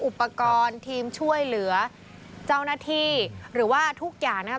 อุปกรณ์ทีมช่วยเหลือเจ้าหน้าที่หรือว่าทุกอย่างนะครับ